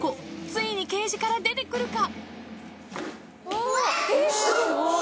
ついにケージから出てくるか。